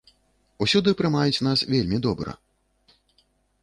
Усюды прымаюць нас вельмі добра.